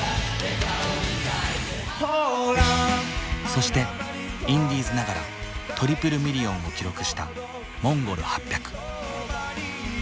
そしてインディーズながらトリプルミリオンを記録したＭＯＮＧＯＬ８００。